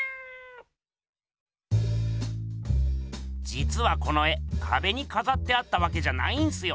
じつはこの絵かべにかざってあったわけじゃないんすよ。